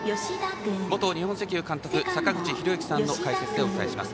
元日本石油監督坂口裕之さんの解説でお伝えします。